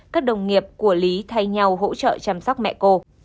các đồng nghiệp của lý thay nhau hỗ trợ chăm sóc mẹ cô